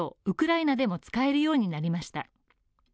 ウクライナでも使えるようになりました